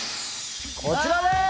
こちらです！